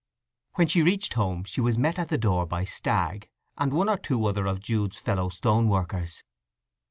When she reached home she was met at the door by Stagg, and one or two other of Jude's fellow stoneworkers.